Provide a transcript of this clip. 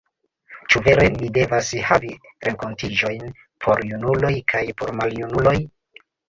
Ĉu vere ni devas havi renkontiĝojn por junuloj kaj por maljunuloj?